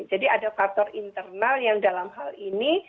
jadi ada faktor internal yang dalam hal ini